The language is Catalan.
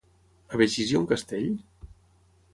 A Begís hi ha un castell?